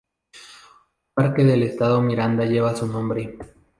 Un parque del Estado Miranda lleva su nombre.